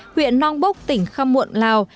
huyện nong bốc tỉnh khăm muộn lào